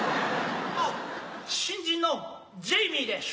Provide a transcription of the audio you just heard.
あっ新人のジェイミーでしゅ。